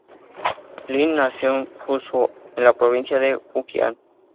Lin nació en Fuzhou, en la provincia de Fujian.